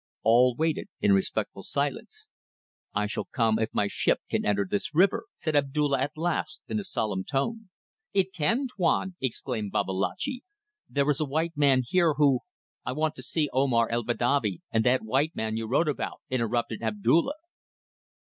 All waited in respectful silence. "I shall come if my ship can enter this river," said Abdulla at last, in a solemn tone. "It can, Tuan," exclaimed Babalatchi. "There is a white man here who ..." "I want to see Omar el Badavi and that white man you wrote about," interrupted Abdulla.